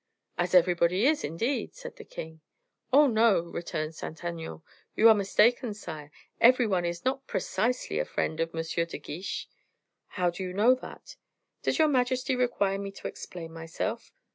"As everybody is, indeed," said the king. "Oh! no!" returned Saint Aignan, "you are mistaken sire; every one is not precisely a friend of M. de Guiche." "How do you know that?" "Does your majesty require me to explain myself?"